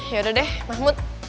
yaudah deh mahmud